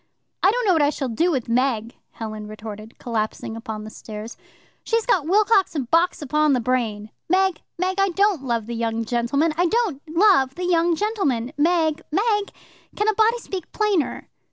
"I don't know what I shall do with Meg," Helen retorted, collapsing upon the stairs. "She's got Wilcox and Box upon the brain. Meg, Meg, I don't love the young gentleman; I don't love the young gentleman, Meg, Meg. Can a body speak plainer?"